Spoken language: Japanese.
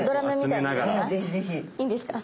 いいんですか？